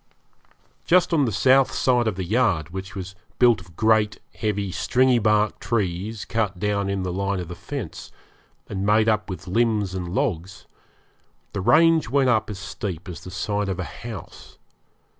Just on the south side of the yard, which was built of great heavy stringy bark trees cut down in the line of the fence, and made up with limbs and logs, the range went up as steep as the side of a house.